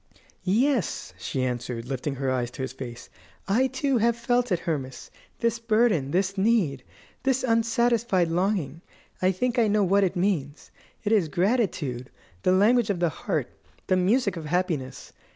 "Yes," she answered, lifting her eyes to his face; "I, too, have felt it, Hermas, this burden, this need, this unsatisfied longing. I think I know what it means. It is gratitude the language of the heart, the music of happiness.